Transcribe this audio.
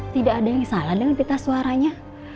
tidak ada yang salah dengan kita suaranya